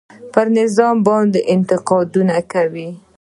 پر نظام باندې انتقادونه کوي.